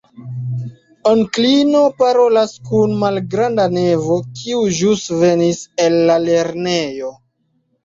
Onklino parolas kun malgranda nevo, kiu ĵus venis el la lernejo.